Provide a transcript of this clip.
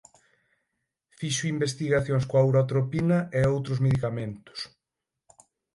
Fixo investigacións coa urotropina e outros medicamentos.